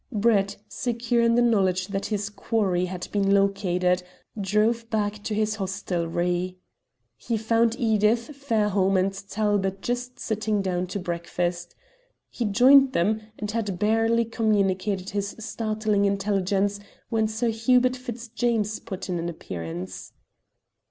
Brett, secure in the knowledge that his quarry had been located, drove back to his hostelry. He found Edith, Fairholme, and Talbot just sitting down to breakfast. He joined them, and had barely communicated his startling intelligence when Sir Hubert Fitzjames put in an appearance.